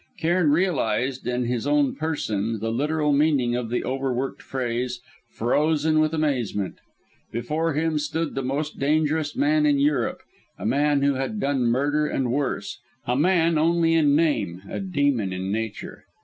Cairn realised in his own person, the literal meaning of the overworked phrase, "frozen with amazement." Before him stood the most dangerous man in Europe; a man who had done murder and worse; a man only in name, a demon in nature.